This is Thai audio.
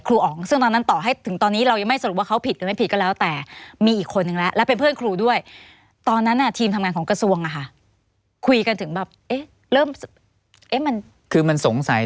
คือมันสงสัย